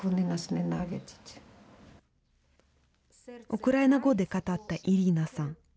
ウクライナ語で語ったイリーナさん。